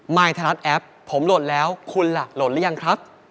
มายทะลัดแอปผมโหลดแล้วคุณล่ะโหลดแล้วยังครับ